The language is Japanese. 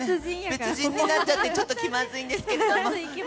別人になっちゃって、ちょっと気まずいんですけど。